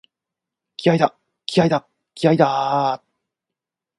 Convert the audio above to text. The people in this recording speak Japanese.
気合いだ、気合いだ、気合いだーっ！！！